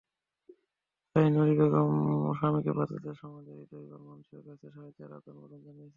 তাই নুরী বেগম স্বামীকে বাঁচাতে সমাজের হৃদয়বান মানুষের কাছে সাহায্যের আবেদন জানিয়েছেন।